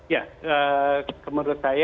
ya menurut saya